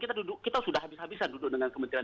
kita sudah habis habisan duduk dengan kementerian